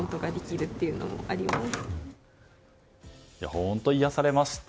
本当、癒やされました。